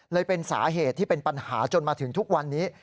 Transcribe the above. เป็นสาเหตุที่เป็นปัญหาจนมาถึงทุกวันนี้